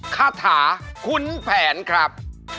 คาถาคุ้นแผนครับ